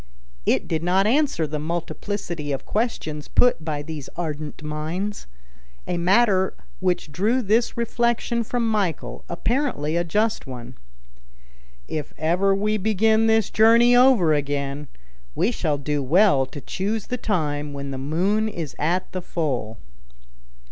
It did not answer the multiplicity of questions put by these ardent minds; a matter which drew this reflection from Michel, apparently a just one: "If ever we begin this journey over again, we shall do well to choose the time when the moon is at the full."